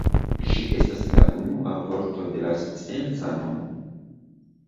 Ĝi estas la unua vorto de la scienca nomo.